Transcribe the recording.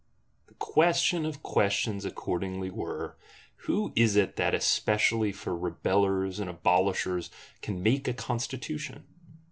The question of questions accordingly were, Who is it that especially for rebellers and abolishers, can make a Constitution?